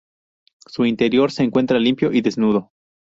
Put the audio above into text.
Su interior se encuentra limpio y desnudo.